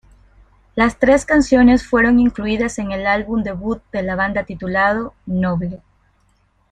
Las tres canciones fueron incluidas en el álbum debut de la banda titulado "Noble".